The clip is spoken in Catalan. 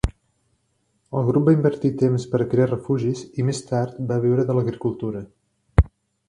El grup va invertir temps per crear refugis i més tard va viure de l'agricultura.